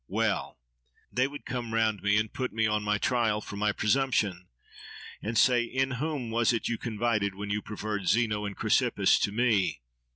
Well! They would come round about me, and put me on my trial for my presumption, and say:—'In whom was it you confided when you preferred Zeno and Chrysippus to me?